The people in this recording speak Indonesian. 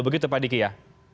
begitu pak diki ya